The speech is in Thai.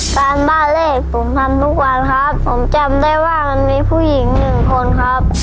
บ้านเลขผมทำทุกวันครับผมจำได้ว่ามันมีผู้หญิงหนึ่งคนครับ